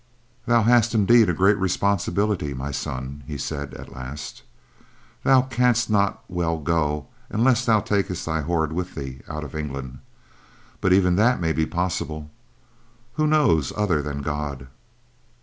"Thou hast indeed a grave responsibility, my son," he said at last. "Thou canst not well go unless thou takest thy horde with thee out of England, but even that may be possible; who knows other than God?"